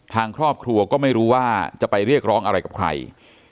ทางครอบครัวก็ไม่รู้ว่าจะไปเรียกร้องอะไรกับใคร